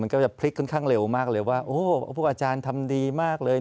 ก็จะพลิกค่อนข้างเร็วมากเลยว่าโอ้โหพวกอาจารย์ทำดีมากเลย